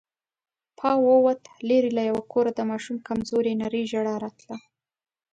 پاو ووت، ليرې له يوه کوره د ماشوم کمزورې نرۍ ژړا راتله.